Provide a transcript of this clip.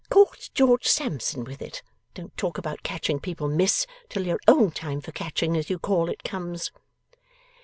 Caught George Sampson with it! Don't talk about catching people, miss, till your own time for catching as you call it comes.